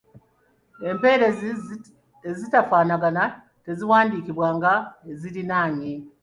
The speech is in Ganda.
Empeerezi ezitafaanagana teziwandiikibwa nga ziriraanye.